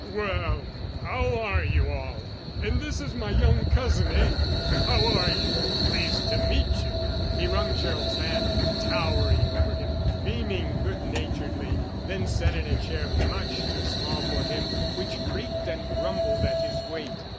"Well, how are you all? And this is my young cousin, eh? How are you? Pleased to meet you." He wrung Gerald's hand, towering over him, beaming good naturedly; then sat in a chair much too small for him, which creaked and grumbled at his weight.